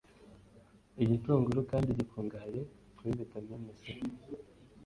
Igitunguru kandi gikungahaye kuri vitamine C